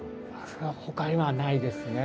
それはほかにはないですね。